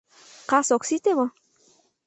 Кас ок сите мо?